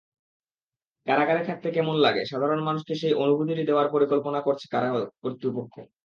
কারাগারে থাকতে কেমন লাগে—সাধারণ মানুষকে সেই অনুভূতিটি দেওয়ার পরিকল্পনা করছে কারা কর্তৃপক্ষ।